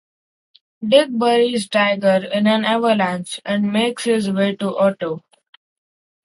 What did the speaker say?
Dick buries Tiger in an avalanche and makes his way to Otto.